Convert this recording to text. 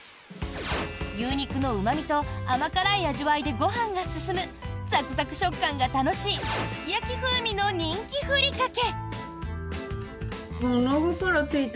牛肉のうま味と甘辛い味わいでご飯が進むザクザク食感が楽しいすき焼き風味の人気ふりかけ。